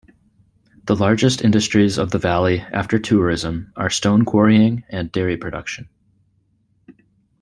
The largest industries of the valley after tourism are stone quarrying and dairy production.